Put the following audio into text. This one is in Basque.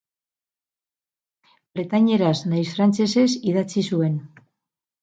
Bretainieraz nahiz frantsesez idatzi zuen.